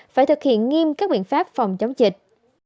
phải thực hiện nghiêm các biện pháp phòng chống dịch